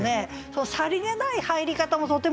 さりげない入り方もとてもいいですよね。